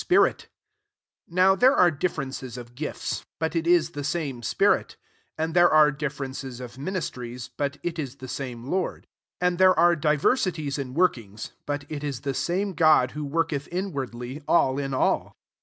285 spirit 4 Nqw there are differ wnces of gifts ;' but U h the le spirit. 5 And there are jrences of ministries : but l» the same Lord. 6 And there are diversities in workings ; but ii^u the same God who work ed inwardly all in all.